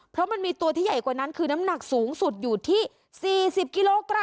เพราะมันมีตัวที่ใหญ่กว่านั้นคือน้ำหนักสูงสุดอยู่ที่๔๐กิโลกรัม